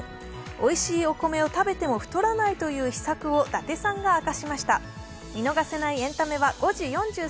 おいしいお米を食べても太らないという秘策を伊達さんが明かしました。